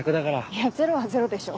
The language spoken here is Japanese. いやゼロはゼロでしょ。